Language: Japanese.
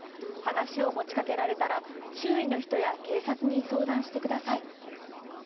話を持ちかけられたら周囲の人や警察に相談してください。